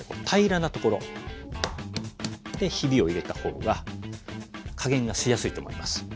平らなところでヒビを入れた方が加減がしやすいと思います。